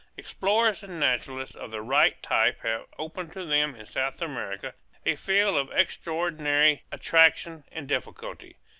Explorers and naturalists of the right type have open to them in South America a field of extraordinary attraction and difficulty.